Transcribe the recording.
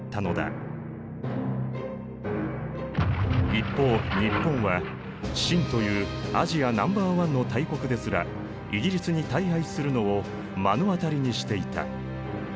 一方日本は清というアジアナンバーワンの大国ですらイギリスに大敗するのを目の当たりにしていた。